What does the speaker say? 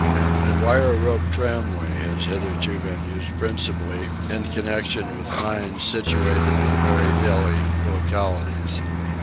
The wire rope tramway has hitherto been used principally in connection with mines situated in very hilly localities.